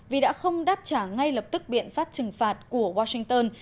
vì đã không đáp trả ngay lập tức biện pháp trừng phạt của washington